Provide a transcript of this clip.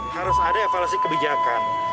harus ada evaluasi kebijakan